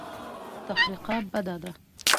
تفرقه بده ده.